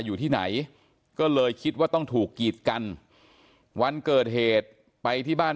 อยู่ที่ไหนก็เลยคิดว่าต้องถูกกีดกันวันเกิดเหตุไปที่บ้าน